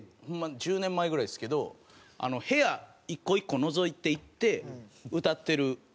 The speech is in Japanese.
１０年前ぐらいですけど部屋１個１個のぞいていって歌ってる。